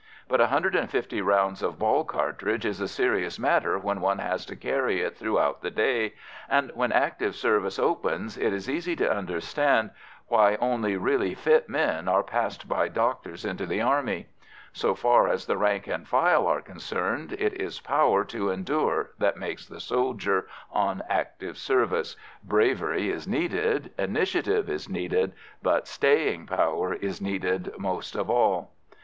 But 150 rounds of ball cartridge is a serious matter when one has to carry it throughout the day, and, when active service opens, it is easy to understand why only really fit men are passed by doctors into the Army. So far as the rank and file are concerned, it is power to endure that makes the soldier on active service; bravery is needed, initiative is needed, but staying power is needed most of all.